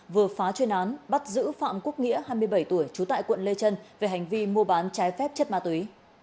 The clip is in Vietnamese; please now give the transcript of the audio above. vừa phá chuyên án bắt giữ phạm quốc nghĩa hai mươi bảy tuổi trú tại quận lê trân về hành vi mua bán trái phép chất ma túy